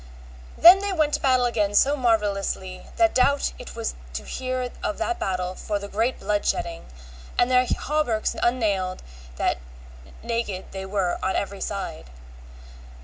Then they went to battle again so marvellously that doubt it was to hear of that battle for the great blood shedding, and their hauberks unnailed that naked they were on every side.